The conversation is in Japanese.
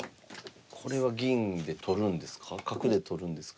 これは銀で取るんですか？